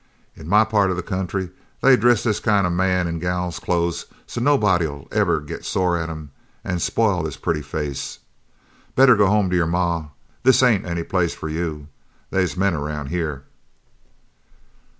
In my part of the country they dress this kind of a man in gal's clothes so's nobody'll ever get sore at him an' spoil his pretty face. Better go home to your ma. This ain't any place for you. They's men aroun' here."